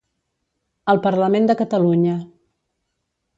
El Parlament de Catalunya